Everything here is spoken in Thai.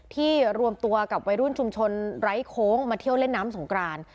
รวมตัวกับวัยรุ่นชุมชนไร้โค้งมาเที่ยวเล่นน้ำสงกราน